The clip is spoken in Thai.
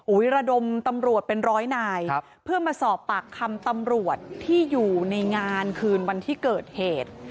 ระดมตำรวจเป็นร้อยนายครับเพื่อมาสอบปากคำตำรวจที่อยู่ในงานคืนวันที่เกิดเหตุ